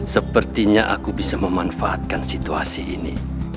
sepertinya aku bisa memanfaatkan situasi ini